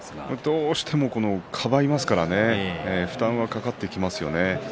どうしてもかばいますから負担はかかってきますよね。